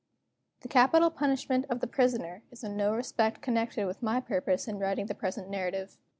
The Capital Punishment of the Prisoner is in no respect connected with my purpose in writing the present narrative.